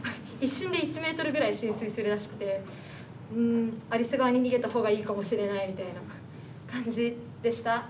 一瞬で１ｍぐらい浸水するらしくてうん有栖川に逃げた方がいいかもしれないみたいな感じでした。